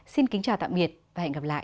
xin kính chào tạm biệt và hẹn gặp lại